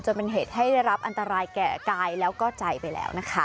เป็นเหตุให้ได้รับอันตรายแก่กายแล้วก็ใจไปแล้วนะคะ